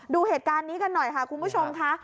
ดูเหตุการณ์นี้กันหน่อยค่ะคุณผู้ชมค่ะ